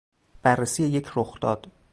بررسی یک رخداد